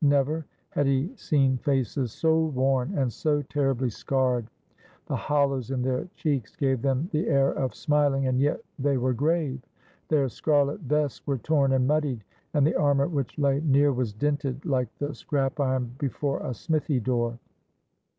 Never had he seen faces so worn and so terribly scarred. The hollows in their cheeks gave them the air of smiling, and yet they were grave. Their scarlet vests were torn and muddied, and the armor which lay near was dinted like the scrap iron before a smithy door.